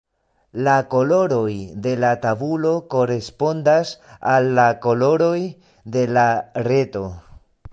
La koloroj de la tabulo korespondas al la koloroj de la reto.